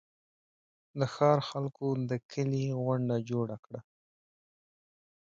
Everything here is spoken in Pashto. د ښار خلکو د کلي غونډه جوړه کړه.